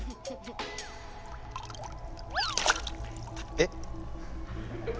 えっ。